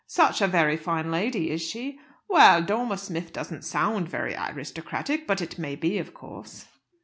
"Such a very fine lady, is she? Well, 'Dormer Smith' doesn't sound very aristocratic; but it may be, of course."